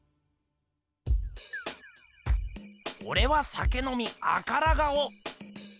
オレは酒飲み赤ら顔。